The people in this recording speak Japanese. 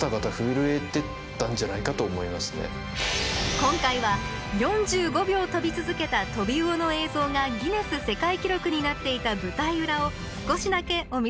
今回は、４５秒飛び続けたトビウオの映像がギネス世界記録になっていた舞台裏を少しだけお見せします！